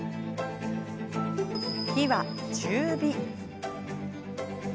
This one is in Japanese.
火は中火。